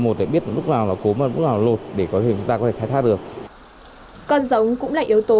một để biết lúc nào nó cốm và lúc nào nó lột để chúng ta có thể khai thác được con giống cũng